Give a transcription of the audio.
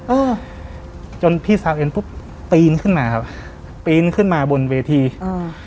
เออจนพี่สาวเอ็นปุ๊บปีนขึ้นมาครับปีนขึ้นมาบนเวทีอ่า